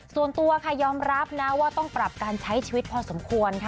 ส่วนตัวค่ะยอมรับนะว่าต้องปรับการใช้ชีวิตพอสมควรค่ะ